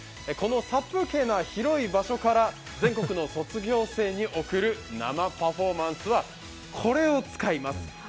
この殺風景の広い場所から全国の卒業生に贈る生パフォーマンスはこれを使います。